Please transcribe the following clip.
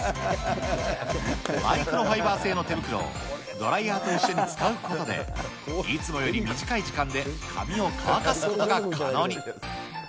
マイクロファイバー製の手袋を、ドライヤーと一緒に使うことで、いつもより短い時間で髪を乾かすことが可能に。